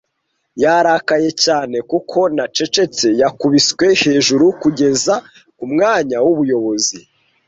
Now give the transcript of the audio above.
Yarakaye cyane kuko nacecetse. Yakubiswe hejuru kugeza ku mwanya w'ubuyobozi.